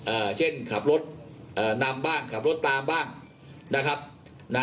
เช่นขับรถเอ่อนำบ้างขับรถตามบ้างนะครับนะ